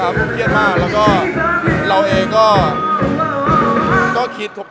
แต่ว่าเกิดว่าเข้าใจผิดจริงหรอ